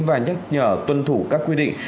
và nhắc nhở tuân thủ các quy định